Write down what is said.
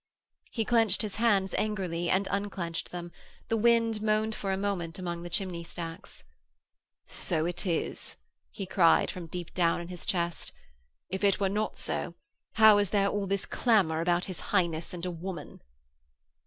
He clenched his hands angrily and unclenched them: the wind moaned for a moment among the chimney stacks. 'So it is!' he cried, from deep down in his chest. 'If it were not so, how is there all this clamour about his Highness and a woman?'